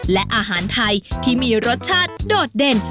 และอาหารไทยที่มีรสชาติโดดเด่น